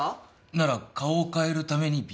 なら顔を変えるために美容外科？